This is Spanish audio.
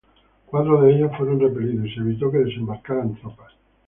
Cuatro de ellos fueron repelidos y se evitó que desembarcaran tropas.